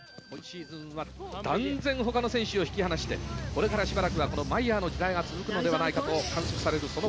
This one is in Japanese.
今シーズンは断然ほかの選手を引き離してこれからしばらくはこのマイヤーの時代が続くのではないかと観測される